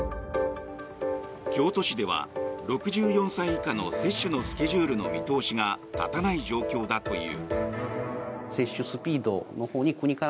京都市では、６４歳以下の接種のスケジュールの見通しが立たない状況だという。